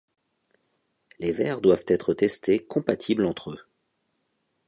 Les verres doivent être testés compatibles entre eux.